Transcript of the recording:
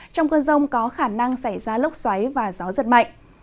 trong cơn rông có khả năng xảy ra lốc xoáy và gió giật mạnh